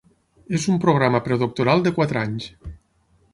És un programa predoctoral de quatre anys.